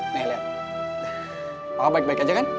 nih liat papa baik baik aja kan